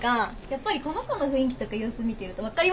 やっぱりこの子の雰囲気とか様子見てると分かります。